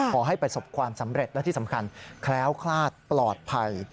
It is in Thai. ขอให้ประสบความสำเร็จและที่สำคัญแคล้วคลาดปลอดภัย